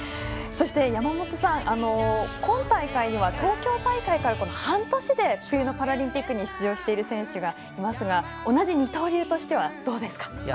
山本さん、今大会には東京大会から半年で冬のパラリンピックに出場している選手がいますが同じ二刀流としてはどうですか？